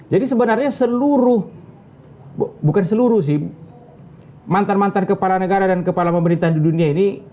jadi sebenarnya seluruh bukan seluruh sih mantan mantan kepala negara dan kepala pemerintahan di dunia ini